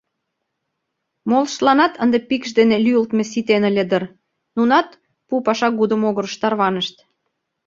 Молыштланат ынде пикш дене лӱйылтмӧ ситен ыле дыр, нунат пу-пашагудо могырыш тарванышт.